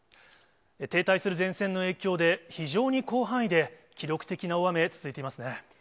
停滞する前線の影響で、非常に広範囲で記録的な大雨、続いていますね。